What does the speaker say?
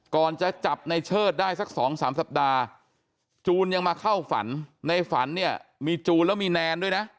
ก่อนจะจับในเชิดได้สักสองสามสัปดาห์จูนยังมาเข้าฝันในฝันเนี่ยมีจูนแล้วมีแนนด้วยนะ